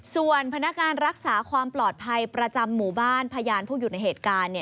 ส่วนพนักงานรักษาความปลอดภัยประจำหมู่บ้านพยานผู้อยู่ในเหตุการณ์